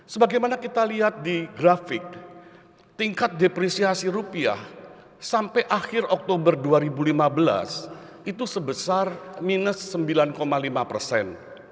sebagaimana kita lihat di grafik tingkat depresiasi rupiah sampai akhir oktober dua ribu lima belas itu sebesar minus sembilan lima persen